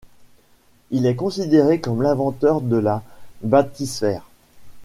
Il est considéré comme l'inventeur de la bathysphère.